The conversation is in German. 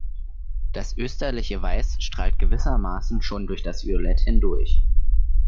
Das österliche Weiß strahlt gewissermaßen schon durch das Violett hindurch.